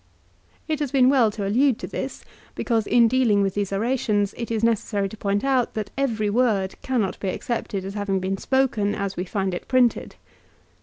It has been well to allude to this because in dealing with these orations it is necessary to point out that every word cannot be ac cepted as having been spoken as we find it printed.